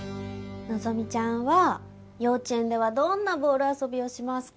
希ちゃんは幼稚園ではどんなボール遊びをしますか？